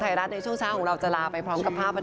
ท่ามกลางพี่น้องชาวโคราชที่มาร่วมงานกันจนแน่นขนาดนี้ค่ะ